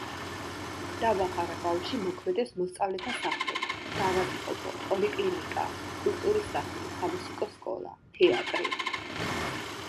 დაბა ხარაგაულში მოქმედებს მოსწავლეთა სახლი, საავადმყოფო, პოლიკლინიკა, კულტურის სახლი, სამუსიკო სკოლა, თეატრი.